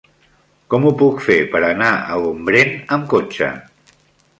Com ho puc fer per anar a Gombrèn amb cotxe?